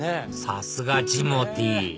さすがジモティー！